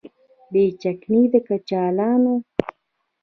بې چکنۍ د کچالانو